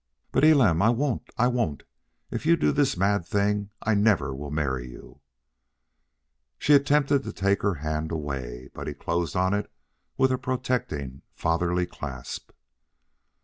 "But, Elam, I won't, I won't! If you do this mad thing I never will marry you." She attempted to take her hand away, but he closed on it with a protecting, fatherly clasp.